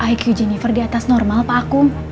iq jennifer diatas normal pak akung